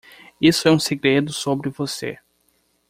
Isso é um segredo sobre você.